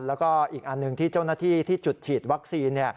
แล้วก็อีกอันหนึ่งที่เจ้าหน้าที่ที่จุดฉีดวัคซีน